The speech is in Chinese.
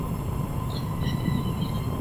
安徽南陵人。